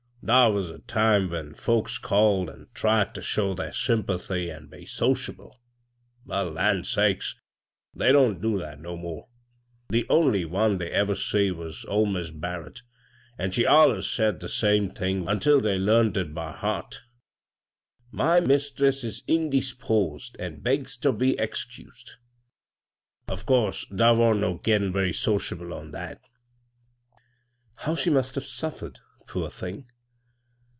Thar was a time when folks called, an' tried ter show thdr sympathy an' be sociable ; but, land sakes I they don't do that no more. The only one they ever see was old Mis' Barrett, an' she allers said the same thing until they learned it by heart :' My mistress is indesposed an* begs ter be ex cused.' Of course thar wa'n't no getdn* very sodaUe on that I " 6« b, Google CROSS CURRENTS " How she must have suffered, poor thing